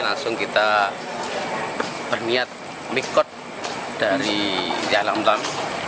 langsung kita berniat mikot dari jalan